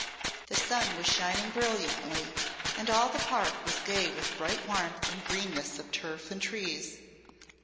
The sun was shining brilliantly, and all the Park was gay with bright warmth and greenness of turf and trees.